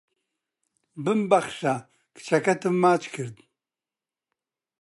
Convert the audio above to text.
ببمبەخشە کچەکەتم ماچ کرد